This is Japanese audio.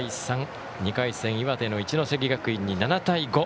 ２回戦、岩手の一関学院に７対５。